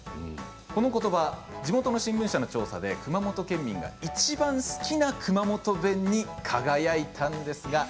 このことば、地元の新聞社の調査で熊本県民がいちばん好きな熊本弁に輝いたんです。